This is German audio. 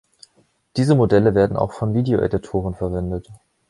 Diese Modelle werden auch von Videoeditoren verwendet.